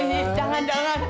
eh jangan jangan